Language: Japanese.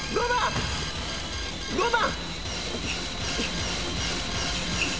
５番！